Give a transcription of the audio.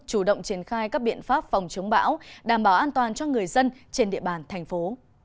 chủ động triển khai các biện pháp phòng chống bão đảm bảo an toàn cho người dân trên địa bàn thành phố